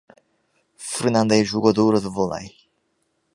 Fernanda é jogadora de vôlei.